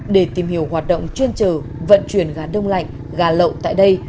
để tìm hiểu hoạt động chuyên trở vận chuyển gà đông lạnh gà lậu tại đây